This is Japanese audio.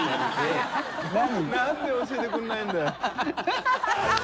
何で教えてくれないんだ。